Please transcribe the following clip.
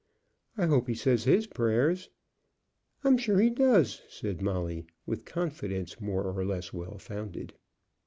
I hope he says his prayers." "I'm sure he does," said Molly, with confidence more or less well founded.